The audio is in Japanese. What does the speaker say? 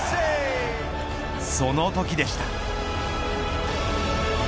そのときでした。